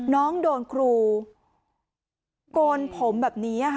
น้องโดนครูโกนผมแบบนี้ค่ะ